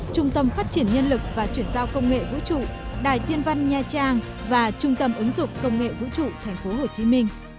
trung tâm phát triển nhân lực và chuyển giao công nghệ vũ trụ đài thiên văn nha trang và trung tâm ứng dụng công nghệ vũ trụ tp hcm